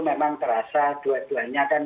memang terasa dua duanya kan